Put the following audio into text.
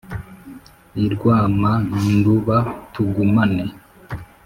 i rwama-nduba tugumane.